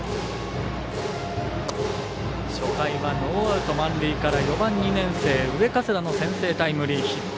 初回はノーアウト、満塁から４番２年生、上加世田の先制タイムリーヒット。